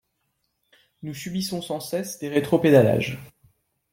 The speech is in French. Nous subissons sans cesse des rétropédalages.